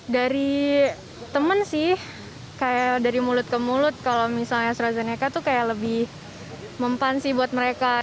dari temen sih kayak dari mulut ke mulut kalau misalnya astrazeneca tuh kayak lebih mempan sih buat mereka